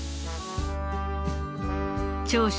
長州